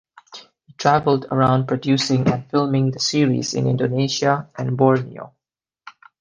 He travelled around producing and filming the series in Indonesia and Borneo.